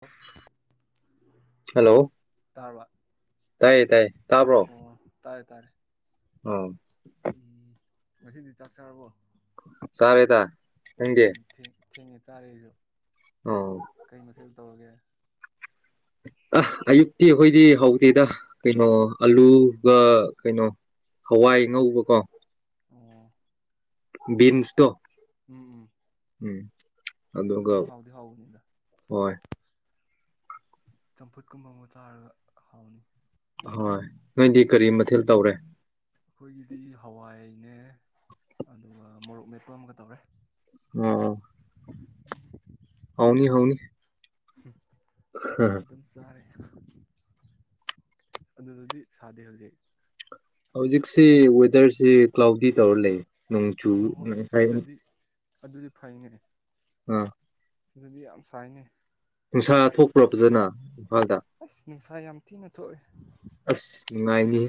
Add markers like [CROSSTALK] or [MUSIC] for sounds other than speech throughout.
ꯂꯣ ꯍꯜꯂꯣ ꯇꯥꯏꯌꯦ ꯇꯥꯏꯌꯦ ꯇꯥꯕ꯭ꯔꯣ ꯇꯥꯔꯦ-ꯇꯥꯔꯦ ꯎꯨꯝ ꯎꯨꯝ ꯉꯁꯤꯗꯤ ꯆꯥꯛ ꯆꯥꯔꯕꯣ ꯆꯥꯔꯦꯗ ꯅꯪꯗꯤ ꯎꯨꯝ ꯊꯦꯡꯗꯤ ꯊꯦꯡ ꯆꯥꯔꯦ ꯑꯩꯁꯨ ꯑꯣ ꯀꯩ ꯃꯊꯦꯜ ꯇꯧꯔꯒꯦ ꯑꯥ ꯑꯌꯨꯛꯇꯤ ꯑꯩꯈꯣꯏꯗꯤ ꯍꯧꯗꯦꯗ ꯀꯩꯅꯣ ꯑꯂꯨꯒ ꯀꯩꯅꯣ ꯍꯋꯥꯏ ꯉꯧꯕꯀꯣ ꯑꯣ ꯕꯤꯟꯁꯇꯣ ꯎꯨꯝ ꯎꯨꯝ ꯎꯨꯝ ꯑꯗꯨꯁꯨ ꯑꯗꯨꯝ ꯍꯥꯎꯗꯤ ꯍꯥꯎꯕꯅꯤꯗ ꯍꯣꯏ ꯆꯝꯐꯨꯠ ꯀꯨꯝꯕ ꯑꯃꯨꯒ ꯆꯥꯔꯒ ꯍꯥꯎꯅꯤ ꯍꯣꯏ ꯅꯣꯏꯗꯤ ꯀꯔꯤ ꯃꯊꯦꯜ ꯇꯧꯔꯦ ꯑꯩꯈꯣꯏꯒꯤꯗꯤ ꯍꯋꯥꯏ ꯅꯦ ꯑꯗꯨꯒ ꯃꯣꯔꯣꯛ ꯃꯦꯠꯄ ꯑꯝꯒ ꯇꯧꯔꯦ ꯑꯣ ꯍꯥꯎꯅꯤ ꯍꯥꯎꯅꯤ ꯁꯤ ꯑꯗꯨꯝ ꯆꯥꯔꯦ ꯑꯗꯨꯗꯗꯤ ꯁꯥꯗꯦ ꯍꯧꯖꯤꯛ ꯍꯧꯖꯤꯛꯁꯤ ꯋꯦꯗꯔꯁꯤ ꯀ꯭ꯂꯥꯎꯗꯤ ꯇꯧꯔ ꯂꯩ ꯅꯣꯡꯆꯨ ꯑꯣ ꯍꯣ ꯅꯦ ꯑꯁ ꯍꯥꯏꯌꯦ ꯁꯤꯗꯗꯤ ꯑꯗꯨꯗꯤ ꯐꯩꯅꯦ ꯑꯥ ꯁꯤꯗꯗꯤ ꯌꯥꯝ ꯁꯥꯏꯅꯦ ꯅꯨꯡꯁꯥ ꯊꯣꯛꯄ꯭ꯔꯣ ꯐꯖꯅ ꯏꯝꯐꯥꯜꯗ ꯑꯁ ꯅꯨꯡꯁꯥ ꯌꯥꯝ ꯊꯤꯅ ꯊꯣꯛꯑꯦ ꯑꯁ ꯅꯨꯡꯉꯥꯏꯅꯤꯍꯦ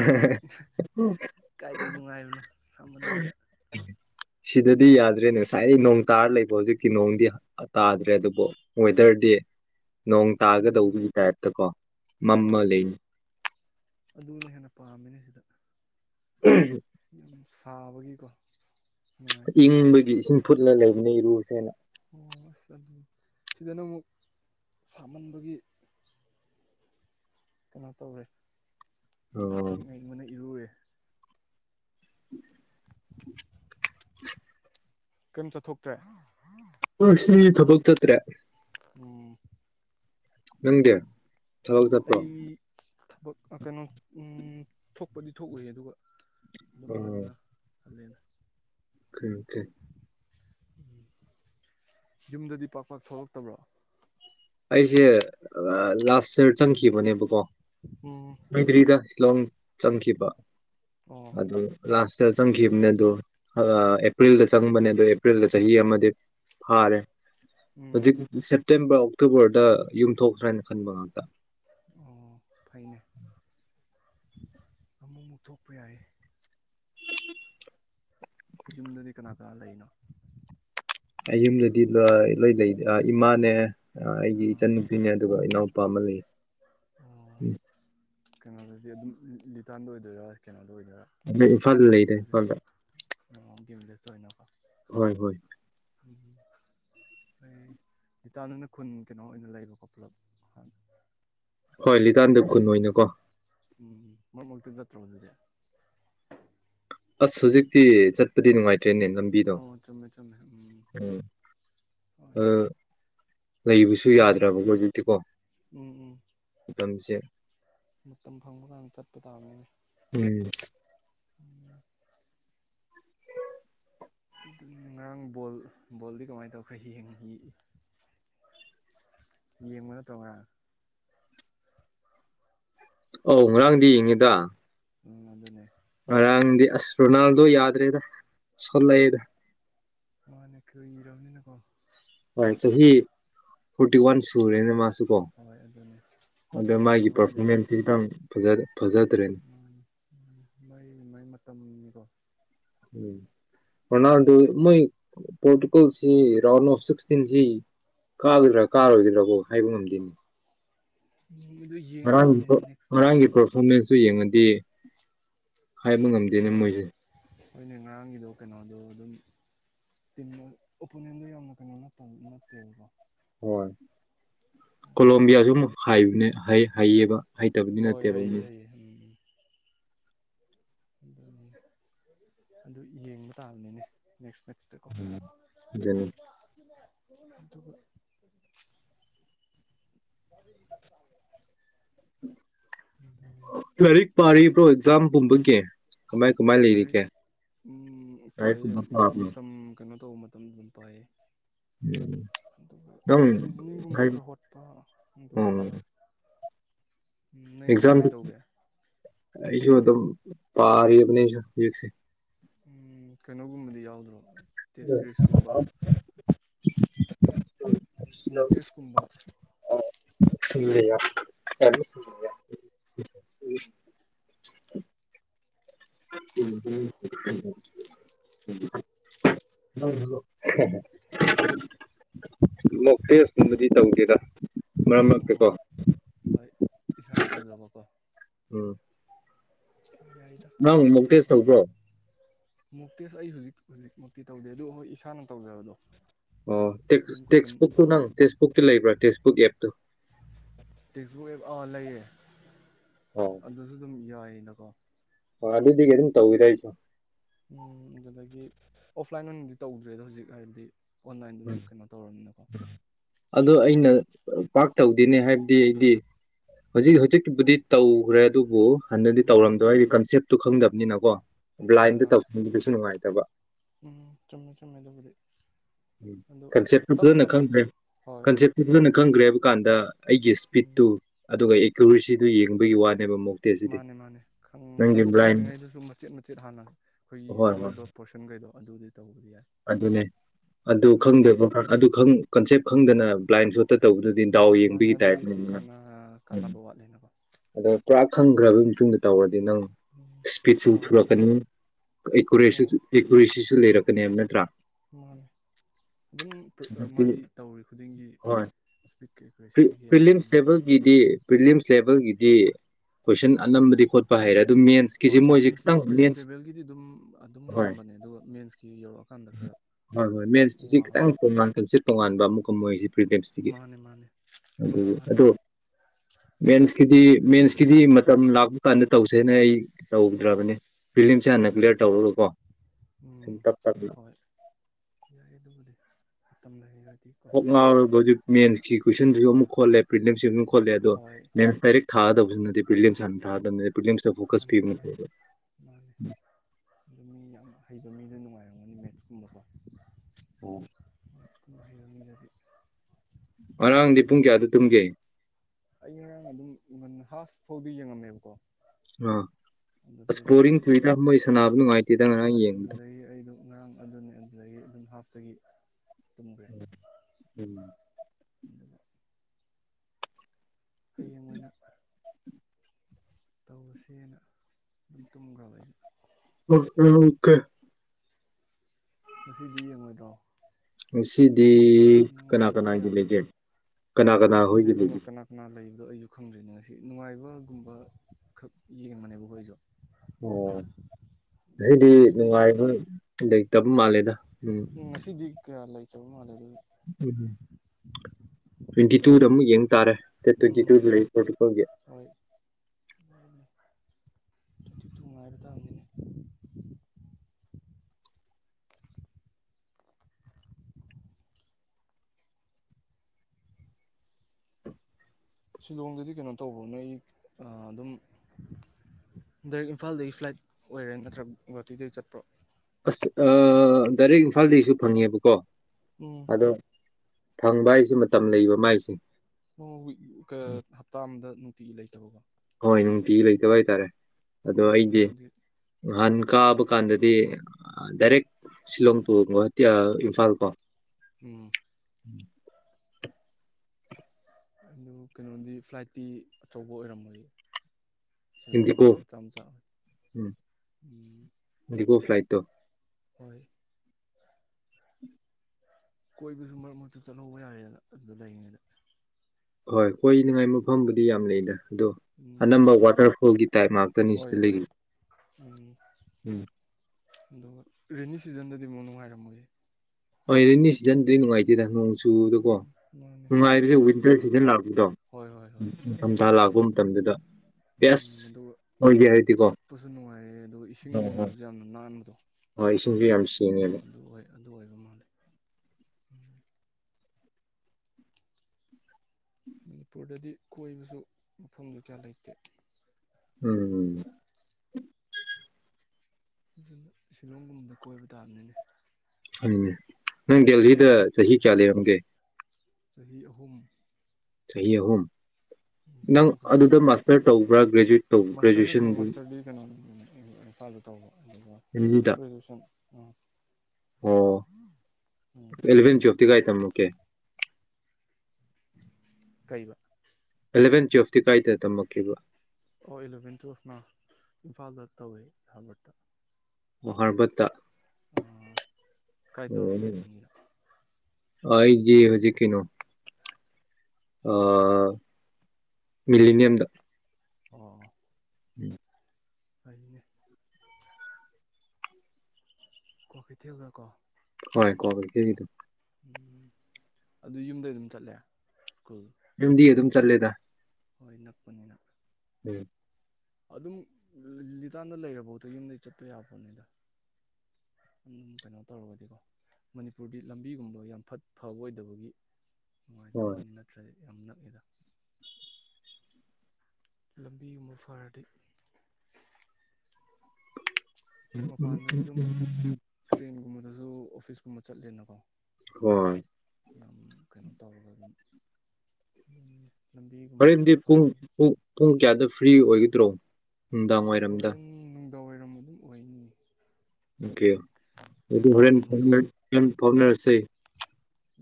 ꯀꯥꯏ ꯀꯥꯏꯗꯒꯤ ꯅꯨꯡꯉꯥꯏꯕꯅꯣ ꯁꯥꯃꯟꯗꯅ ꯁꯤꯗꯗꯤ ꯌꯥꯗ꯭ꯔꯦꯅꯦ ꯉꯁꯥꯏ ꯅꯣꯡ ꯇꯥꯔ ꯂꯩꯕ ꯍꯧꯖꯤꯛꯀꯤ ꯅꯣꯡꯗꯤ ꯇꯥꯗ꯭ꯔꯦ ꯑꯗꯨꯕꯨ ꯋꯦꯗꯔꯗꯤ ꯅꯣꯡ ꯎꯝ ꯇꯥꯒꯗꯧꯕꯒꯤ ꯇꯥꯏꯞꯇ ꯀꯣ ꯃꯝꯃ ꯍꯣꯏ ꯂꯩ ꯑꯗꯨꯅ ꯍꯦꯟꯅ ꯄꯥꯝꯃꯤꯅꯦ ꯁꯤꯗ ꯎꯝ ꯌꯥꯝ ꯁꯥꯕꯒꯤꯀꯣ ꯅꯨꯡꯉꯥꯏꯇ꯭ꯔꯦ ꯏꯪꯕꯒꯤ ꯏꯁꯤꯡ ꯐꯨꯠꯂ ꯂꯩꯕꯅꯤ ꯏꯔꯨꯁꯦꯅ ꯑꯣ ꯑꯁ ꯑꯗꯨ ꯁꯤꯗꯅ ꯑꯃꯨꯛ ꯁꯥꯃꯟꯕꯒꯤ ꯀꯩꯅꯣ ꯇꯧꯋꯦ ꯏꯁꯤꯡ ꯑꯏꯪꯕꯅ ꯏꯔꯨꯔꯦ ꯑꯟꯏꯟꯇꯦꯜꯂꯤꯖꯦꯕꯜ ꯀꯩꯝ ꯆꯠꯊꯣꯛꯇ꯭ꯔꯦ ꯉꯁꯤ ꯊꯕꯛ ꯆꯠꯇ꯭ꯔꯦ ꯑꯝ ꯅꯪꯗꯦ ꯊꯕꯛ ꯆꯠꯄ꯭ꯔꯣ ꯑꯩ ꯀꯩꯅꯣ ꯑꯝ ꯊꯣꯛꯄꯗꯤ ꯊꯣꯛꯎꯏ ꯑꯗꯨꯒ ꯂꯨꯞ ꯉꯟꯅ ꯈꯜꯂꯦꯅ ꯀꯪꯇꯦ ꯌꯨꯝꯗꯗꯤ ꯄꯥꯛ ꯄꯥꯛ ꯊꯣꯛꯂꯛꯇꯕ꯭ꯔꯣ ꯑꯩꯁꯦ ꯂꯥꯁ ꯁꯤꯔ ꯆꯪꯈꯤꯕꯅꯦꯕꯀꯣ ꯎꯝ ꯐꯪꯗꯔꯤꯗ ꯂꯣꯡ ꯆꯪꯈꯤꯕ ꯑꯣ ꯑꯗꯨꯝ ꯔꯥꯁ ꯗ ꯆꯪꯈꯤꯕꯅꯦ ꯑꯗꯣ ꯑꯦꯄ꯭ꯔꯤꯜꯗ ꯆꯪꯕꯅꯦ ꯑꯗꯣ ꯑꯦꯄ꯭ꯔꯤꯜꯗ ꯆꯍꯤ ꯑꯃꯗꯤ ꯐꯥꯔꯦ ꯎꯝ ꯍꯧꯖꯤꯛ ꯗꯤꯁꯦꯝ ꯇꯦꯝꯕꯥꯎ ꯇꯣꯕꯔꯗ ꯌꯨꯝ ꯊꯣꯛꯁꯤꯔꯥꯅ ꯍꯥꯏꯅ ꯈꯟꯕ ꯉꯥꯛꯇ ꯑꯣ ꯐꯥꯏꯅꯦ ꯑꯃꯨ ꯑꯃꯨꯛ ꯊꯣꯛꯄ ꯌꯥꯏ ꯌꯨꯝꯗꯗꯤ ꯀꯅꯥ ꯀꯅꯥ ꯂꯩꯅꯣ ꯑꯩ ꯌꯨꯝꯗꯗꯤ ꯂ ꯂꯣꯏ ꯂꯩ ꯏꯃꯥꯅꯦ ꯑꯩꯒꯤ ꯑꯥ ꯏꯆꯟꯟꯅꯨꯄꯤꯅꯦ ꯑꯗꯨꯒ ꯏꯅꯥꯎ ꯄꯥꯝꯃ ꯂꯩ ꯑꯣ ꯎꯝ ꯀꯩꯅꯣꯗꯗꯤ ꯑꯗꯨꯝ ꯂꯤꯇꯥꯟꯗ ꯑꯣꯏꯗꯣꯏꯔꯥ ꯀꯩꯅꯣꯗ ꯑꯣꯏꯗꯣꯏꯔꯥ ꯑ ꯏ ꯐꯜ ꯂꯩꯗ ꯐꯜꯗ ꯝꯁꯇ ꯑꯣꯏꯅꯀꯣ ꯍꯣꯏ ꯍꯣꯏ ꯎ ꯑꯩꯣꯏ ꯇꯥꯥꯟ ꯅꯪꯅ ꯈꯨꯟ ꯀꯩꯅꯣ ꯑꯣꯏꯅ ꯂꯩꯕꯀꯣ ꯄꯨꯂꯞ ꯍꯅ ꯍꯣꯏ ꯂꯤꯇꯥꯟꯗ ꯈꯨꯟ ꯑꯣꯏꯅꯀꯣ ꯎꯝ ꯃꯛꯃꯛꯇꯤ ꯆꯠꯇ꯭ꯔꯣꯕ ꯑꯗꯨꯗꯤ ꯑꯁ ꯍꯧꯖꯤꯛꯇꯤ ꯆꯠꯄꯗꯤ ꯅꯨꯡꯉꯥꯏꯇꯦ ꯇ꯭ꯔꯦꯦꯟ ꯂꯝꯕꯤꯗꯣ ꯑꯣ ꯆꯨꯝꯃꯦ ꯆꯨꯝꯃꯦ ꯎꯝ ꯍꯣꯏ ꯑ ꯂꯩꯕꯁꯨ ꯐꯪꯕ ꯌꯥꯗ꯭ꯔꯕꯀꯣ ꯍꯧꯖꯤꯛꯇꯤꯀꯣ ꯎꯝ ꯎꯝ ꯃꯇꯝꯁꯦ ꯃꯇꯝ ꯐꯪꯕ ꯀꯅ ꯆꯠꯄ ꯇꯥꯕꯅꯤ ꯎꯝ ꯉꯔꯥꯡ ꯕꯣꯜ ꯕꯣꯜꯗꯤ ꯀꯃꯥꯏꯅ ꯇꯧ ꯈꯔ ꯌꯦꯡ ꯌꯦ ꯃꯅ ꯇꯧꯥ ꯑꯧ ꯉꯔꯥꯡꯗꯤ ꯌꯦꯡꯉꯤꯗ ꯎꯝ ꯑꯗꯨꯅꯦ ꯉꯔꯥꯡꯗꯤ ꯑꯁ ꯔꯣꯅꯥꯜꯗꯣ ꯌꯥꯗ꯭ꯔꯦꯗ ꯁꯜꯂꯛꯑꯦꯗ ꯃꯅ ꯀ ꯍꯔꯣꯝꯅꯤꯅꯀꯣ ꯍ ꯍ ꯐꯇꯤ ꯋꯥꯟ ꯁꯔꯦꯅꯦ ꯃꯥ ꯀꯣ ꯍꯣꯏ ꯑꯗꯨꯅꯦ ꯑꯗ ꯃꯥꯒꯤ ꯄꯔꯐꯣꯔꯃꯦꯟꯁꯁꯦ ꯈꯤꯇꯪ ꯐꯖꯔ ꯎꯝ ꯎꯝ ꯃꯩ ꯃꯩ ꯃꯇꯝꯅꯤꯀꯣ ꯎꯝ ꯔꯣꯅꯥꯜꯗꯣ ꯃꯣꯏ ꯄꯣꯇꯨꯒꯜꯁꯤ ꯔꯥꯎꯅꯣ ꯁꯤꯛꯁꯇꯤꯟꯁꯤ ꯀꯥꯒꯣꯏꯗ꯭ꯔꯥ ꯀꯥꯔꯣꯏꯗ꯭ꯔꯥꯕꯣ ꯍꯥꯏꯕ ꯉꯝꯗꯦꯅꯤ ꯎꯝ ꯑꯗꯨ ꯌꯦꯡ ꯇꯥꯕꯅꯤꯅꯦ ꯅꯦꯛꯁ ꯃꯔꯔꯥꯡꯔꯥꯡꯒꯤ ꯄꯔꯐꯣꯔꯃꯦꯟꯁ ꯁꯨ ꯌꯦꯡꯂꯡꯉꯗꯦ ꯍꯥꯏꯕ ꯉꯝꯗꯦꯅꯦ ꯃꯣꯏꯁꯦ ꯑꯩꯣꯏꯅꯦ ꯉꯔꯥꯡꯒꯤꯗꯣ ꯀꯩꯅꯣꯗꯣ ꯑꯗꯨꯝ ꯇꯤꯝ ꯑꯣꯄꯣꯅꯦꯟꯗꯣ ꯌꯥꯝꯅ ꯀꯩꯅꯣ ꯅꯠꯇꯦꯕꯀꯣ ꯍꯣꯏ ꯀꯣꯂꯣꯝꯕꯤꯌꯥꯁꯨ ꯑꯃꯛꯕꯅꯦ ꯍꯥꯏꯩꯌꯦꯕ ꯍꯣꯏ ꯍꯩꯌꯦ ꯍꯩꯌꯦ ꯎꯝ ꯑꯗꯨ ꯌꯦꯡꯕ ꯇꯥꯕꯅꯤꯅꯦ ꯅꯦꯛꯁ ꯃꯦꯠꯁꯇꯥꯀꯣ ꯑꯗꯨꯅꯤ ꯑꯗꯨꯒ [UNINTELLIGIBLE] ꯂꯥꯏꯔꯤꯛ ꯄꯥꯔꯤꯕ꯭ꯔꯣ ꯑꯦꯛꯖꯥꯝ ꯒꯨꯝꯕꯒꯤ ꯂꯥꯏꯔꯤꯛ ꯎꯝ ꯂꯥꯏꯔꯤꯛ ꯎꯄꯥꯏ ꯀꯨꯝꯕ ꯄꯥꯕ꯭ꯔꯣ ꯃꯇꯝ ꯀꯩꯅꯣ ꯇꯧꯕ ꯃꯇꯝꯗ ꯑꯗꯨꯝ ꯄꯥꯏꯌꯦ ꯎꯝ ꯑꯗꯨꯒ ꯅꯪ ꯔꯤꯖꯅꯤꯡꯒꯨꯝꯕ ꯍꯥꯏ ꯈꯔ ꯍꯣꯠꯄ ꯑꯣ ꯑꯗꯨꯒ ꯅꯪꯗꯤ ꯑꯦꯛꯖꯥꯝ ꯀꯃꯥꯏꯅ ꯇꯧꯒꯦ ꯑꯩꯁꯨ ꯑꯗꯨꯝ ꯄꯥꯔꯤꯕꯅꯤ ꯑꯩꯁꯨ [UNINTELLIGIBLE] ꯎꯝ ꯀꯩꯅꯣꯒꯨꯝꯕꯗꯤ ꯌꯥꯎꯗ꯭ꯔꯣ ꯇꯦꯁ ꯁꯦꯔꯤꯁꯀꯨꯝꯕ ꯃꯣꯛ ꯇꯦꯁꯀꯨꯝꯕ ꯁꯤꯗ ꯌꯥ [UNINTELLIGIBLE] [UNINTELLIGIBLE] [UNINTELLIGIBLE] ꯃꯣꯛꯇꯦꯁ ꯀꯨꯝꯕꯗꯤ ꯇꯧꯗꯦꯗꯥ ꯃꯔꯛ ꯑꯣ ꯃꯔꯛꯇꯀꯣ ꯍꯣꯏ ꯏꯁꯥꯅ ꯇꯧꯖꯕꯀꯣ ꯎꯝ ꯌꯥꯏꯗ ꯅꯪ ꯃꯣꯛꯇꯦꯁ ꯇꯧꯕ꯭ꯔꯣ ꯃꯣꯛꯇꯦꯁ ꯑꯩ ꯍꯨꯖꯤꯛ ꯍꯨꯖꯤꯛ ꯃꯛꯇꯤ ꯇꯧꯗꯦ ꯑꯗꯨ ꯍꯣꯏ ꯏꯁꯥꯅ ꯇꯧꯖꯕꯗꯣ ꯑꯣ ꯇꯦꯛꯁ ꯑꯗꯨꯝ ꯀꯣꯏꯁꯟ ꯇꯦꯛꯁꯕꯨꯛꯇꯨ ꯅꯪ ꯇꯦꯛꯁꯕꯨꯛꯇꯤ ꯂꯩꯕ꯭ꯔꯥ ꯇꯦꯛꯁ ꯄꯨꯛ ꯑꯦꯞꯇꯣ ꯇꯦꯛꯁꯕꯨꯛ ꯑꯦꯞ ꯑꯥ ꯂꯩꯌꯦ ꯑꯗꯨꯁꯨ ꯑꯗꯨꯝ ꯌꯥꯏ ꯑꯗꯀꯣ ꯍꯣꯏ ꯑꯗꯨꯗꯤ ꯑꯗꯨꯝ ꯇꯧꯋꯤꯗ ꯑꯩꯁꯨ ꯎꯝ ꯑꯗꯒꯤ ꯑꯣꯐꯂꯥꯏꯟ ꯑꯣꯏꯅꯗꯤ ꯇꯧꯗ꯭ꯔꯦꯗꯅ ꯍꯧꯖꯤꯛ ꯍꯥꯏꯕꯗꯤ ꯑꯣꯟꯂꯥꯏꯟꯗ ꯑꯗꯨꯝ ꯀꯩꯅꯣ ꯇꯧꯔꯕꯅꯤꯅꯀꯣ ꯑꯗꯣ ꯑꯩꯅ ꯄꯥꯛ ꯇꯧꯗꯦꯅꯦ ꯍꯥꯏꯕꯗꯤ ꯑꯩꯗꯤ ꯍꯧꯖꯤꯛ ꯍꯧꯖꯤꯛꯀꯤꯕꯨꯗꯤ ꯇꯧꯒꯔ꯭ꯦ ꯑꯗꯨꯕꯨ ꯍꯟꯗꯗꯤ ꯎꯝ ꯇꯧꯔꯝꯗꯣꯏ ꯑꯩꯗꯤ ꯀꯟꯁꯦꯞ ꯇꯨ ꯈꯪꯗꯕꯅꯤꯅꯀꯣ ꯍꯣꯏ ꯕ꯭ꯂꯥꯏꯟꯗ ꯍꯣꯏ ꯇꯧꯅꯤꯡꯕꯁꯨ ꯅꯨꯡꯉꯥꯏ ꯇꯕ ꯎꯝ ꯆꯨꯝꯃꯦ ꯆꯨꯝꯃꯦ ꯑꯗꯨꯕꯨꯗꯤ ꯎꯝ ꯑꯗꯨ ꯀꯟꯁꯦꯞꯇꯨ ꯇꯞꯅ ꯐꯖꯅ ꯇꯞꯅ ꯈꯪꯗꯔ꯭ꯦ ꯍꯣꯏ ꯀꯟꯁꯦꯞꯇꯨ ꯐꯖꯅ ꯈꯪꯗꯔ꯭ꯦ ꯗꯨꯀꯥꯟꯗ ꯑꯩꯒꯤ ꯎꯝ ꯏꯁꯄꯤꯠꯇꯨ ꯑꯗꯨꯒ ꯀ꯭ꯌꯨꯔꯤꯁꯤꯗꯨ ꯌꯦꯡꯕꯒꯤ ꯋꯥꯅꯤ ꯃꯥꯅꯦ ꯃꯥꯅꯦ ꯑꯗꯨ ꯕ꯭ꯂꯥꯏꯟ ꯈꯪꯗ꯭ꯔꯤꯉꯩꯗꯨꯁꯨ ꯃꯆꯦꯠ ꯃꯆꯦꯠ ꯍꯥꯟꯅ ꯑꯩꯈꯣꯏꯒꯤ ꯍꯣꯏ ꯍꯣꯏ ꯑꯔꯣꯏꯕ ꯄꯣꯔꯁꯟ ꯀꯩꯗꯣ ꯑꯗꯨꯗꯤ ꯇꯧꯕꯗꯤ ꯌꯥꯏ ꯑꯗꯨꯅꯦ ꯑꯗꯨ ꯑꯗꯨꯒ ꯈꯪꯗꯦꯕꯣ ꯑꯗꯨ ꯀꯟꯁꯦꯞ ꯈꯪꯗꯅ ꯕ꯭ꯂꯥꯏꯟ ꯁꯣꯠꯇ ꯇꯧꯕꯗꯨꯗꯤ ꯗꯥꯎ ꯃꯥꯅꯦ ꯌꯦꯡꯕꯒꯤ ꯑꯗꯨꯗꯤ ꯇꯥꯏꯞꯅꯤꯅ ꯀꯥꯟꯅꯕ ꯋꯥꯠꯂꯤꯅꯅꯕ ꯈꯪꯈ꯭ꯔꯕꯒꯤ ꯃꯇꯨꯡꯗ ꯇꯧꯔꯅꯤ ꯑꯗꯨ ꯅꯪ ꯏꯁ꯭ꯄꯤꯠꯁꯨ ꯍꯣꯏ ꯎꯠꯊꯔꯛꯒꯅꯤ ꯍꯣꯏ ꯏꯔꯤꯁꯤꯔꯤꯁꯤ [UNINTELLIGIBLE] ꯂꯩꯔꯛꯀꯅꯦ ꯌꯥꯝꯅ ꯇ꯭ꯔꯥ ꯃꯥꯅꯦ ꯑꯗꯨꯝ ꯃꯥꯗꯤ ꯇꯧꯔꯤ ꯈꯨꯗꯤꯡꯒꯤ ꯍꯣꯏ ꯏꯁꯄꯤꯠꯀ ꯑꯦꯀꯨꯔꯦꯁꯤꯒ ꯍꯦꯟꯗꯣꯏꯅꯤꯅꯀꯣ ꯄ꯭ꯔꯤꯂꯤꯌꯝꯁ ꯂꯦꯕꯦꯜꯒꯤꯗꯤ ꯀꯣꯏꯁꯟ ꯑꯅꯝꯕꯗꯤ ꯈꯣꯠꯄ ꯍꯥꯏꯔ ꯍꯣꯏ ꯄ꯭ꯔꯤꯝ ꯄ꯭ꯔꯤꯂꯤꯝꯁ ꯂꯦꯚꯦꯜꯒꯤꯗꯤ ꯑꯗꯨꯝ ꯑꯗꯨꯝ ꯍꯣꯏ ꯉꯝꯕꯅꯦ ꯑꯗꯨꯒ ꯃꯦꯟꯁꯀꯤ ꯌꯧꯔꯛ ꯍꯣꯏ ꯍꯣꯏ ꯃꯦꯟꯁꯇꯨꯁꯤ ꯈꯤꯇꯪ ꯇꯣꯥꯟꯀꯟꯁꯦ ꯇꯣꯉꯥꯟꯕ ꯑꯃꯨ ꯀꯃ ꯑꯣꯏꯁꯤ ꯐ꯭ꯔꯤꯗꯤꯁꯇꯒꯤ ꯃꯥꯅꯦ ꯃꯥꯅꯦ ꯑꯗꯨ ꯃꯥꯅꯦ ꯑꯗꯣ ꯃꯦꯟꯁꯀꯤꯗꯤ ꯃꯦꯟꯁꯀꯤꯗꯤ ꯃꯇꯝ ꯂꯥꯛ ꯀꯥꯟꯗ ꯇꯧꯁꯦꯅ ꯑꯩ ꯇꯧꯗ꯭ꯔꯕꯅꯦ ꯐꯤꯝꯁꯦ ꯍꯥꯟꯅ ꯍꯣꯏ ꯀ꯭ꯂꯤꯌꯥꯔ ꯇꯧꯔꯒꯀꯣ ꯎꯝ ꯁꯨꯝꯞ ꯍꯣꯏ ꯌꯥꯏ ꯑꯗꯨꯕꯨꯗꯤ ꯃꯇꯝ ꯂꯩꯔ ꯀꯣꯛ ꯉꯕ ꯍꯧꯖꯤꯛ ꯃꯦꯟꯁꯀꯤ ꯀꯣꯏꯁꯟꯗꯨꯁꯨ ꯑꯃꯨꯛ ꯈꯣꯂꯦ ꯄꯤꯅꯦꯁꯤꯡ ꯣꯂꯦ ꯑꯗꯨ ꯍꯣꯏ ꯅ ꯇꯔ ꯊꯥꯗꯕꯁꯨ ꯅꯠꯇꯦ ꯕꯤꯂꯤꯌꯝ ꯁꯥꯟꯅ ꯊꯥꯗꯕ ꯅꯠꯇꯦ ꯃꯥꯅꯦ ꯃꯥꯅꯦ ꯃꯥꯅꯦ ꯑꯗꯨ ꯃꯤ ꯌꯥꯝ ꯍꯩꯕ ꯃꯤꯗꯣ ꯅꯨꯡꯉꯥꯏꯔꯝꯒꯅꯤ ꯃꯦꯠ ꯏꯀ [INAUDIBLE] ꯑꯣ ꯀꯆꯀ ꯍꯥꯏꯔ ꯃꯤꯖꯕꯤ [INAUDIBLE] ꯉꯔꯥꯡꯗꯤ ꯄꯨꯡ ꯀꯌꯥꯗ ꯇꯨꯝꯒꯦ ꯑꯩ ꯉꯔꯥꯡ ꯑꯗꯨꯝ ꯍꯥꯐ ꯐꯥꯎꯗꯤ ꯌꯦꯡꯉꯝꯃꯦꯕꯀꯣ ꯑ ꯑꯗꯨꯗꯩ ꯑꯗꯨꯝ ꯏꯁꯄꯔꯤ ꯇꯋꯇ ꯁꯅꯥ ꯑꯗꯨꯉ ꯇꯤꯗꯅꯔꯥꯡ ꯍꯣꯏ ꯌꯦꯡꯕꯗꯣ ꯑꯗꯨꯗꯒꯤ ꯑꯩꯗꯣ ꯉꯔꯥꯡ ꯑꯗꯨꯅꯤ ꯑꯗꯨꯗꯒꯤ ꯑꯗꯨꯝ ꯍꯥꯐꯇꯒꯤ ꯎꯝ ꯎꯝ ꯑꯗꯨꯒ ꯍꯌꯦꯡ ꯑꯣꯏꯅ ꯇꯧꯁꯦꯅ ꯑꯗꯨꯝ ꯇꯨꯝꯒ꯭ꯔꯕ ꯑꯩꯖꯨ [UNINTELLIGIBLE] ꯉꯁꯤꯗꯤ ꯌꯦꯡꯉꯣꯏꯗ꯭ꯔꯣ? ꯉꯁꯤꯗꯤ ꯉꯁꯤ ꯀꯅꯥ- ꯅꯨꯡꯉꯥꯏꯕ ꯀꯅꯥꯒꯤ ꯀꯌꯥꯗꯤ ꯂꯩꯒꯦ ꯀꯅꯥ- ꯀꯅꯥ ꯉꯁꯤꯁꯦ ꯍꯣꯏꯒꯤ ꯑꯗꯨꯅꯦ ꯂꯩꯒꯦ? ꯀꯅꯥ ꯀꯅꯥ ꯂꯩꯕꯗꯣ ꯑꯩꯁꯨ ꯈꯪꯗꯔ꯭ꯦ ꯅꯦ ꯉꯁꯤꯗꯤ ꯅꯨꯡꯉꯥꯏꯕꯒꯨꯝꯕ ꯈꯛ ꯌꯦꯡꯕꯅꯦꯕ ꯑꯩꯈꯣꯏꯁꯨ ꯑꯣ ꯉꯥꯁꯤꯗꯤ ꯉꯁꯤꯗꯤ ꯅꯨꯡꯉꯥꯏꯕ ꯂꯩ ꯇꯕ ꯃꯥꯂꯦꯗ ꯎꯝ ꯉꯁꯤꯗꯤ ꯀꯌꯥ ꯂꯩꯇꯕ ꯃꯥꯂꯦ ꯑꯗꯨꯅ ꯎꯝ ꯇ꯭ꯋꯦꯟꯇꯤ ꯇꯨꯗ ꯑꯃꯨꯛ ꯌꯦꯡ ꯇꯥꯔꯦ ꯫ ꯗꯦꯠ ꯇꯨꯏꯟꯇꯤ ꯎꯝ ꯇꯨꯗꯥ ꯂꯩ ꯄꯣꯔꯇꯨꯒꯜ ꯒꯤ꯫ ꯇꯨꯋꯦꯟꯇꯤ ꯇꯨ ꯉꯥꯏꯕ ꯇꯥꯃꯤꯅꯦ ꯫ ꯁꯤꯂꯣꯡꯗꯗꯤ ꯀꯩꯅꯣ ꯇꯧꯕꯔ꯭ꯤ ꯅꯣꯏ ꯑ ꯑꯗꯨꯝ ꯗꯥꯏꯔꯦꯛ ꯏꯝꯐꯥꯜꯗꯒꯤ ꯐ꯭ꯂꯥꯏꯠ ꯑꯣꯏꯔꯦ ꯅꯠꯇ꯭ꯔꯒ ꯒꯨꯍꯥꯇꯤꯗꯒꯤ ꯆꯠꯄ꯭ꯔꯣ? ꯑꯁ ꯗꯥꯏꯔꯦꯛ ꯏꯝꯐꯥꯜꯗꯒꯤꯁꯨ ꯐꯪꯉꯦꯕꯀꯣ ꯎꯝ꯫ ꯑꯗꯣ ꯐꯪꯕ ꯍꯥꯏꯁꯤ ꯃꯇꯝ ꯂꯩꯕ ꯃꯥꯏꯁꯤ ꯑꯣ ꯋꯤꯛ ꯀ ꯍꯞꯇꯥ ꯑꯃꯗ ꯐꯤ ꯂꯩꯇꯕꯀꯣ ꯍꯣꯏ ꯅꯨꯡꯇꯤ ꯂꯩꯇꯕ ꯍꯥꯏ ꯇꯥꯔꯦ꯫ ꯑꯗꯣ ꯎꯝ ꯑꯩꯗꯤ ꯑꯗꯨꯗꯤ ꯉꯍꯥꯟ ꯀꯥꯕ ꯀꯥꯟꯗꯗꯤ ꯗꯥꯏꯔꯦꯛ ꯁꯤꯂꯣꯡ ꯇꯨ ꯒꯨꯍꯥꯇꯤ ꯑꯥ ꯏꯝꯐꯥꯜ ꯀꯣ ꯎꯝ [UNINTELLIGIBLE] ꯑꯗꯨ ꯀꯩꯅꯣꯗꯤ ꯐ꯭ꯂꯥꯏꯠꯇꯤ ꯑꯆꯧꯕ ꯑꯣꯏꯔꯝꯃꯣꯏꯌꯦ ꯁꯤꯂꯣꯡꯒꯤꯗꯤ ꯏꯟꯗꯤꯒꯣ ꯃꯆꯥ ꯃꯆꯥ ꯎꯝ ꯎꯝ [UNINTELLIGIBLE] ꯍꯣꯏ ꯀꯣꯏꯕꯁꯨ ꯃꯔꯛ-ꯃꯔꯛꯇ ꯆꯠꯍꯧꯕ ꯌꯥꯔꯦꯗꯅ ꯑꯗꯨꯗ ꯂꯩꯔꯤꯉꯩꯗ ꯍꯣꯏ ꯀꯣꯏꯅꯤꯡꯉꯥꯏ ꯃꯐꯝꯕꯨꯗꯤ ꯌꯥꯝ ꯂꯩꯗ ꯑꯗꯣ ꯎꯝ ꯑꯅꯝꯕ ꯑꯗꯨꯅꯦ ꯋꯥꯇꯔꯐꯣꯜꯒꯤ ꯇꯥꯏꯞ ꯉꯥꯛꯇꯅꯤ ꯍꯣꯏ ꯁꯤꯗ ꯍꯣꯏ ꯂꯩꯔꯤ ꯎꯝ ꯎꯝ ꯑꯗꯨꯒ ꯔꯦꯟꯅꯤ ꯁꯤꯖꯟꯗꯗꯤ ꯑꯃꯨꯛ ꯅꯨꯡꯉꯥꯏꯔꯝꯃꯣꯏꯌꯦ ꯍꯣꯏ ꯔꯦꯟꯅꯤ ꯁꯤꯖꯟꯗꯤ ꯅꯨꯡꯉꯥꯏꯇꯦꯗꯥ ꯅꯣꯡ ꯆꯨꯕꯗꯀꯣ ꯎꯝ ꯃꯥꯅꯦ ꯑꯗꯨꯒ ꯅꯨꯡꯉꯥꯏꯔꯤꯁꯦ ꯔꯤꯁ ꯋꯤꯟꯇꯔ ꯁꯤꯖꯟ ꯂꯥꯛꯄꯗꯣ ꯍꯣꯏ ꯍꯣꯏ ꯅꯤꯡꯊꯝ ꯊꯥ ꯂꯥꯛ ꯄꯣꯝ ꯃꯇꯝꯗꯨꯗ ꯕꯦꯁ ꯃ ꯑꯣꯏꯒꯦ ꯍꯥꯏꯔꯗꯤꯀꯣ ꯆꯠꯄꯁꯨ ꯅꯨꯡꯉꯥꯏꯌꯦ ꯑ ꯏꯁꯤꯡꯒꯨꯝꯕꯁꯨ ꯌꯥꯝꯅ ꯅꯥꯟꯕꯗꯣ ꯍꯣꯏ ꯏꯁꯤꯡꯁꯨ ꯌꯥꯝ ꯁꯦꯡꯉꯦꯕ ꯑꯗꯨ ꯍꯣꯏ ꯑꯗꯨ ꯑꯣꯏꯕ ꯃꯥꯜꯂꯦ ꯎꯝ ꯃꯅꯤꯄꯨꯔꯗꯗꯤ ꯀꯣꯏꯕꯁꯨ ꯃꯐꯝꯗꯣ ꯀꯌꯥ ꯂꯩꯇꯦ ꯎꯝ ꯎꯝ ꯑꯗꯨꯅ ꯁꯤꯂꯣꯡꯒꯨꯝꯗ ꯀꯣꯏꯕ ꯇꯥꯕꯅꯤꯅꯦ ꯍꯪꯅꯦ ꯅꯪ ꯗꯦꯜꯍꯤꯗ ꯆꯍꯤ ꯀꯌꯥ ꯂꯩꯔꯝꯒꯦ ꯆꯍꯤ ꯑꯍꯨꯝ ꯆꯍꯤ ꯑꯍꯨꯝ ꯅꯪ ꯑꯍꯨꯝ ꯑꯗꯨꯗ ꯈꯛꯇꯅꯤꯅꯦ ꯃꯥꯁꯇꯔ ꯇꯧꯕ꯭ꯔꯥ ꯒ꯭ꯔꯦꯖꯨꯋꯦꯠ ꯇꯧꯕ ꯃꯥꯁꯇꯔ ꯒ꯭ꯔꯦꯖꯨꯋꯦꯁꯟꯕꯨ ꯊꯥꯒꯦ ꯇꯧꯕ ꯑꯗꯨꯒ ꯒ꯭ꯔꯦꯖꯨꯋꯦꯁꯟ ꯎꯝ ꯎꯝ ꯒꯥꯏ ꯇꯃꯨꯀꯦ ꯀꯩꯕ ꯑꯦꯂꯚꯦꯟ ꯇꯨꯌꯦꯜꯐꯇꯤ ꯀꯥꯏꯗ ꯇꯝꯃꯛꯀꯦꯕ ꯑꯣ ꯏꯂꯚꯦꯟ ꯇꯨꯋꯦꯜꯐꯅ ꯏꯝꯐꯥꯜꯗ ꯇꯧꯋꯦ ꯍꯥꯔꯕꯔꯠꯇ ꯍꯥꯔꯕꯠꯇ ꯑꯑ ꯀꯥꯏ ꯇꯧꯔꯀꯦ ꯅꯪꯒꯤꯅ ꯑꯣ ꯑꯩꯗꯤ ꯍꯧꯖꯤꯛ ꯀꯩꯅꯣ ꯑ ꯃꯤꯂꯤꯅꯤꯌꯝꯗ ꯑꯣ ꯎꯝ ꯑꯥꯏ ꯑꯦꯟ ꯅꯦ ꯀ꯭ꯋꯥꯛꯀꯩꯊꯦꯜꯗꯀꯣ ꯍꯣꯏ ꯀꯣꯦ ꯀꯦꯒꯤ ꯑꯗꯨꯝ ꯎꯝ ꯑꯗꯨ ꯌꯨꯝꯗꯩ ꯑꯗꯨꯝ ꯆꯠꯂꯦ ꯁ꯭ꯀꯨꯜ ꯌꯨꯝꯗꯤ ꯑꯗꯨꯝ ꯆꯠꯂꯦꯗ ꯍꯣꯏ ꯅꯛꯄꯅꯤꯅ ꯎꯝ ꯑꯗꯨꯝ ꯂꯤ ꯂꯤꯇꯥꯟꯗ ꯂꯩꯔꯕꯥꯎꯗ ꯌꯨꯝꯗꯩ ꯆꯠꯄ ꯌꯥꯄꯣꯠꯅꯤꯗ ꯑꯗꯨꯝ ꯀꯩꯅꯣ ꯇꯧꯔꯒꯗꯤꯀꯣ ꯃꯅꯤꯄꯨꯔꯗꯤ ꯂꯝꯕꯤꯒꯨꯝꯕ ꯌꯥꯝ ꯐꯠ ꯐꯕ ꯑꯣꯏꯗꯕꯒꯤ ꯅꯨꯡꯉꯥꯏꯇꯕ ꯍꯣꯏ ꯋꯥꯅꯤ ꯅꯠꯇ꯭ꯔꯗꯤ ꯌꯥꯝ ꯅꯛꯑꯦꯗ ꯂꯝꯕꯤꯒꯨꯝꯕ ꯐꯔꯗꯤ ꯎꯝ ꯎꯝ ꯎꯝ ꯎꯝ ꯎꯝ ꯎꯝ ꯑꯗꯨꯁꯨ ꯑꯣꯐꯤꯁꯀꯨꯝꯕ ꯆꯠꯂꯦꯅꯀꯣ ꯍꯣꯏ ꯑꯗꯨꯝ ꯀꯩꯅꯣ ꯇꯧꯔꯒ ꯑꯗꯨꯝ ꯎꯝ ꯄꯥꯔꯩꯍꯟꯗꯤ ꯄꯨꯡ ꯄꯨꯡ ꯄꯨꯡ ꯀꯌꯥꯗ ꯐ꯭ꯔꯤ ꯑꯣꯏꯒꯗ꯭ꯔꯣ ꯅꯨꯡꯗꯥꯡ ꯋꯥꯏꯔꯝꯗ ꯗꯥꯎ ꯑꯣꯏꯔꯝꯃ ꯑꯗꯨꯝ ꯑꯣꯏꯅꯤꯌꯦ ꯅꯨꯡꯗꯥꯡ [UNINTELLIGIBLE] ꯐꯥꯎꯅꯔꯁꯦ ꯫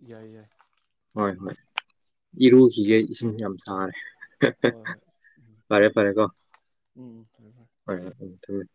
ꯌꯥꯏ- ꯌꯥꯏ꯫ ꯍꯣꯏ - ꯍꯣꯏ꯫ ꯎꯝ ꯏꯔꯨꯈꯤꯒꯦ ꯏꯁꯤꯡ ꯌꯥꯝ ꯍꯣꯏ ꯍꯣꯏ ꯍꯣꯏ ꯎꯝ ꯫ ꯐꯔꯦ - ꯐꯔꯦ ꯀꯣ ꯎꯝ ꯐꯔꯦ ꯐꯔꯦ ꯎꯝ꯫ [UNINTELLIGIBLE]